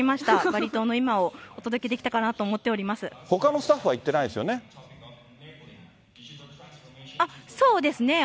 バリ島の今をお届けできたかなとほかのスタッフは行ってないそうですね。